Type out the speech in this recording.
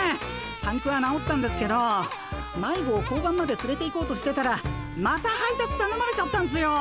パンクは直ったんですけど迷子を交番までつれていこうとしてたらまた配達たのまれちゃったんすよ。